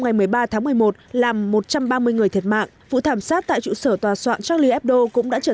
ngày một mươi ba tháng một mươi một làm một trăm ba mươi người thiệt mạng vụ thảm sát tại trụ sở tòa soạn charlebdo cũng đã trở